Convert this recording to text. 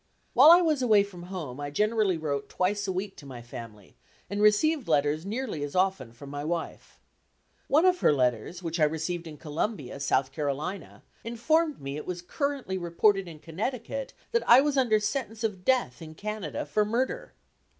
While I was away from home I generally wrote twice a week to my family and received letters nearly as often from my wife. One of her letters, which I received in Columbia, South Carolina, informed me it was currently reported in Connecticut that I was under sentence of death in Canada for murder!